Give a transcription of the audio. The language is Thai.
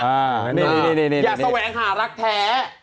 อยากหลักแท้